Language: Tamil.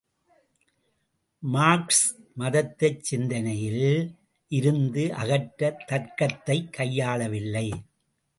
மார்க்ஸ் மதத்தைச் சிந்தனையில் இருந்து அகற்றத் தர்க்கத்தைக் கையாளவில்லை.